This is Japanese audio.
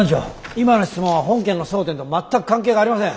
今の質問は本件の争点と全く関係がありません。